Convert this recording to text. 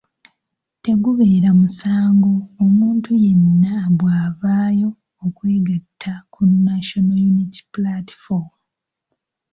Tegubeera musango omuntu yenna bw'avaayo okwegatta ku National Unity Platform.